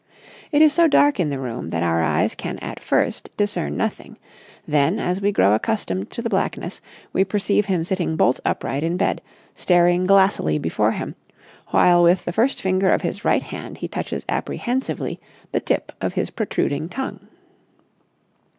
It is so dark in the room that our eyes can at first discern nothing; then, as we grow accustomed to the blackness, we perceive him sitting bolt upright in bed, staring glassily before him, while with the first finger of his right hand he touches apprehensively the tip of his protruding tongue.